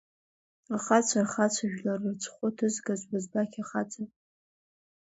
Ахацәа рхацәа жәлар рыҵәхәы ҭызгаз Уазбақь ахаҵа!